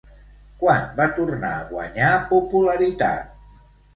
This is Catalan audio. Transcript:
Quan va tornar a guanyar popularitat?